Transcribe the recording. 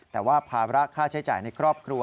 แต่ว่าภาระค่าใช้จ่ายในครอบครัว